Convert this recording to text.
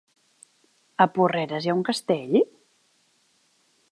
A Porreres hi ha un castell?